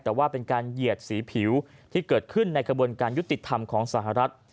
แต่ว่าเป็นการเหยียดสีผิวที่เกิดขึ้นในกระบวนการยุติธรรมของสหรัฐ